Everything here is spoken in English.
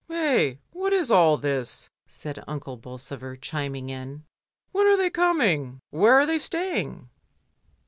"Hey! what is all this?" said Uncle Bolsover, chiming in. "When are they coming? Where are they sta)ring?"